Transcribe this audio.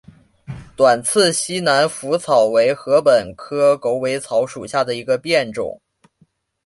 短刺西南莩草为禾本科狗尾草属下的一个变种。